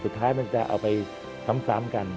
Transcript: สุดท้ายมันจะเอาไปซ้ำกัน